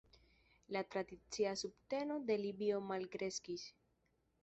La tradicia subteno de Libio malkreskis.